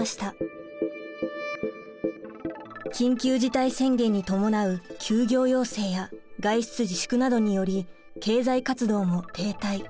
緊急事態宣言に伴う休業要請や外出自粛などにより経済活動も停滞。